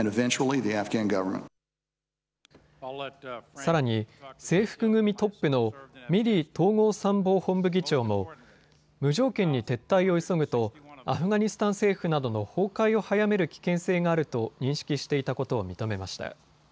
さらに制服組トップのミリー統合参謀本部議長も無条件に撤退を急ぐとアフガニスタン政府などの崩壊を早める危険性があると認識していたことを認めました。